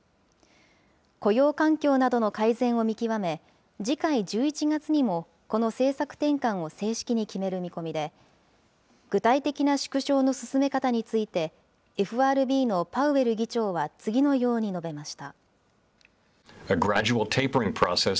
雇用環境などの改善を見極め、次回１１月にも、この政策転換を正式に決める見込みで、具体的な縮小の進め方について、ＦＲＢのパウエル議長は次のように述べました。